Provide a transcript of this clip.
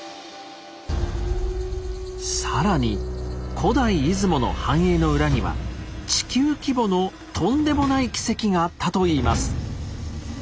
更に古代出雲の繁栄の裏には地球規模のとんでもない奇跡があったといいます。